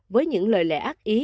với những lời lẽ ác ý